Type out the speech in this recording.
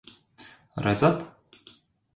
Redzat?